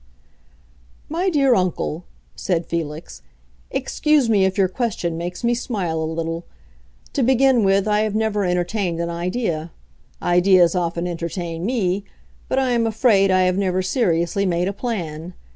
"My dear uncle," said Felix, "excuse me if your question makes me smile a little. To begin with, I have never entertained an idea. Ideas often entertain me; but I am afraid I have never seriously made a plan.